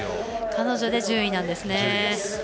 彼女で１０位なんですね。